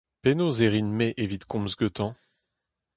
Penaos e rin me evit komz gantañ ?